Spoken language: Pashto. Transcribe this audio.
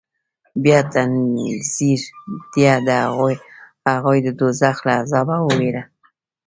بيا تنذير ديه هغوى د دوزخ له عذابه ووېروه.